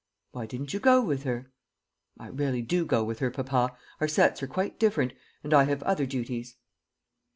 "Why didn't you go with her?" "I rarely do go with her, papa. Our sets are quite different; and I have other duties."